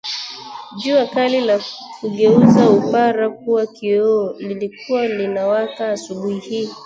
Jua kali la kugeuza upara kuwa kioo lilikuwa linawaka asubuhi hii